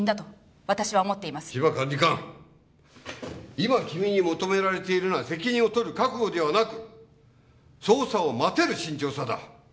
今君に求められているのは責任を取る覚悟ではなく捜査を待てる慎重さだ。